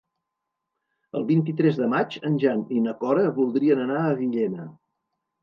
El vint-i-tres de maig en Jan i na Cora voldrien anar a Villena.